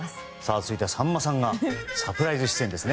続いては、さんまさんがサプライズ出演ですね。